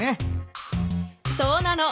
そうなの。